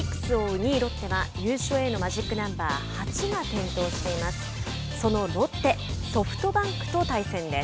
２位ロッテは優勝へのマジックナンバー８が点灯しています。